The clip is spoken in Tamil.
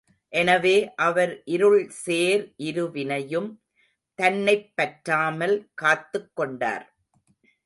எனவே அவர் இருள் சேர் இருவினையும் தன்னைப் பற்றாமல் காத்துக் கொண்டார்.